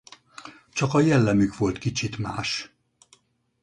Csak a jellemük volt kicsit más.